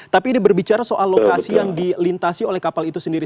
tapi ini berbicara soal lokasi yang dilintasi oleh kapal itu sendiri